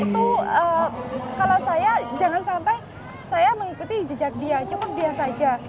itu kalau saya jangan sampai saya mengikuti jejak dia cuma dia saja